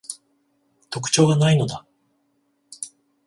特徴が無いのだ